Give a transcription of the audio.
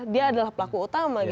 dia adalah pelaku utama